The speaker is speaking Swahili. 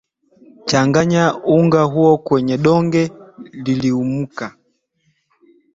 changanya unga huo kwenye donge liliumka